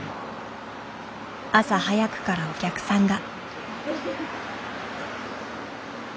朝早くからお客さんが。